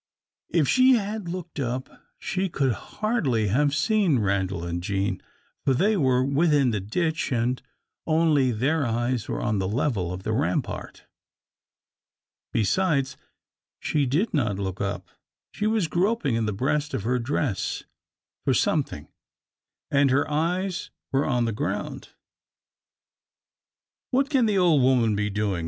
If she had looked up, she could hardly have seen Randal and Jean, for they were within the ditch, and only their eyes were on the level of the rampart. Besides, she did not look up; she was groping in the breast of her dress for something, and her eyes were on the ground. "What can the old woman be doing?"